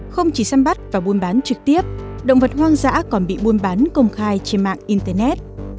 không chỉ xăm bắt và buôn bán trực tiếp động vật hoang dã còn bị buôn bán công khai trên mạng internet